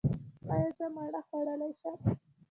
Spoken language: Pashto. ایا زه مڼه خوړلی شم؟